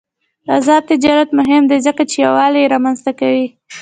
آزاد تجارت مهم دی ځکه چې یووالي رامنځته کوي.